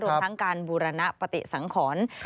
รวมทั้งการบูรณปฏิสังขร